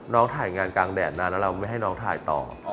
ถ่ายงานกลางแดดนานแล้วเราไม่ให้น้องถ่ายต่อ